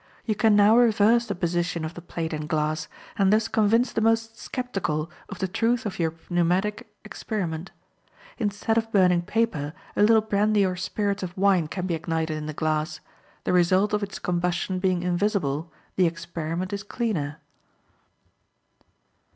You can now reverse the position of the plate and glass, and thus convince the most skeptical of the truth of your pneumatic experiment. Instead of burning paper, a little brandy or spirits of wine can be ignited in the glass; the result of its combustion being invisible, the experiment is cleaner.